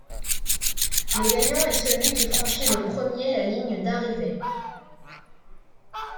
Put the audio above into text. Le gagnant est celui qui franchit le premier la ligne d’arrivée.